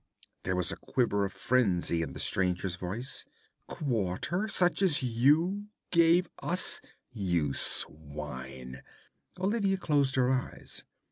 There was a quiver of frenzy in the stranger's voice. 'Quarter such as you gave us, you swine!' Olivia closed her eyes.